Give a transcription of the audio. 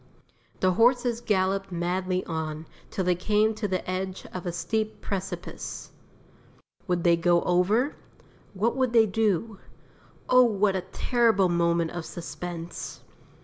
The horses galloped madly on, till they came to the edge of a steep precipice. Would they go over? What would they do? Oh, what a terrible moment of suspense.